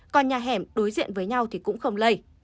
còn nhà hẻm đối diện với nhau thì cũng không lây